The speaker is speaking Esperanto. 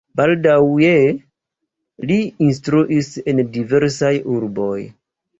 Baldaŭe li instruis en diversaj urboj.